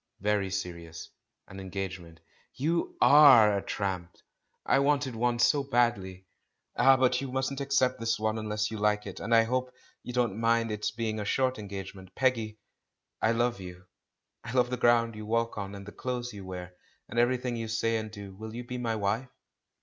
"Very serious — an engagement." "You are a trump," she said; "I wanted one so badly." "Ah, but you mustn't accept this one unless you like it, and I hope you won't mind its being a short engagement. Peggy, I love you. I love the ground you walk on, and the clothes you wear, and everything you say and do. Will you be my wife?"